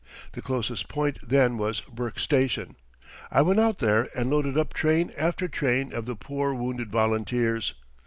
The closest point then was Burke Station. I went out there and loaded up train after train of the poor wounded volunteers.